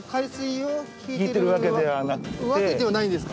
訳ではないんですか？